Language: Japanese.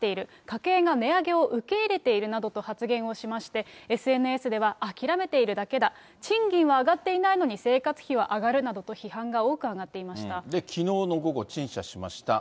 家計が値上げを受け入れているなどと発言をしまして、ＳＮＳでは諦めているだけだ、賃金は上がっていないのに生活費は上がるなどと批判が多く上がっきのうの午後、陳謝しました。